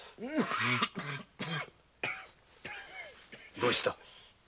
どうした？